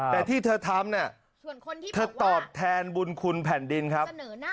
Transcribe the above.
แต่ที่เธอทำเนี่ยเธอตอบแทนบุญคุณแผ่นดินครับ